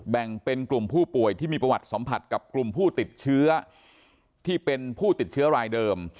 แบ่งเป็นกลุ่มผู้ป่วยที่มีประวัติสัมผัสกับกลุ่มผู้ติดเชื้อที่เป็นผู้ติดเชื้อรายเดิม